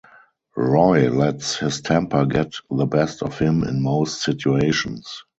Roy lets his temper get the best of him in most situations.